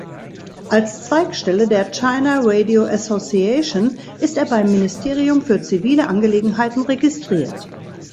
Als Zweigstelle der "China Radio Association" ist er beim Ministerium für zivile Angelegenheiten registriert.